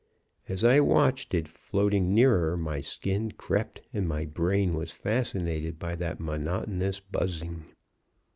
As I watched it floating nearer, my skin crept and my; brain was fascinated by that monotonous buzzing.